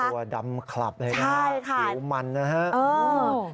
ตัวดำคลับเลยนะใช่ค่ะผิวมันนะฮะ